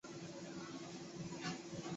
金世宗乃诏命建桥。